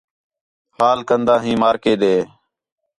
حال کندا ہیں مارکے ݙے